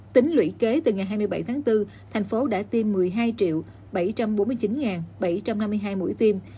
tính lũy kế từ ngày hai mươi bảy tháng bốn thành phố đã tiêm một mươi hai bảy trăm bốn mươi chín bảy trăm năm mươi hai mũi tiêm